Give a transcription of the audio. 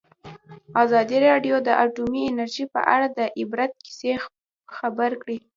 ازادي راډیو د اټومي انرژي په اړه د عبرت کیسې خبر کړي.